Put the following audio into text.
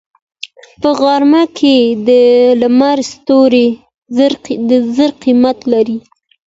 په غرمه کې د لمر سیوری د زر قیمت لري